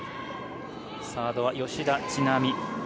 サードは吉田知那美。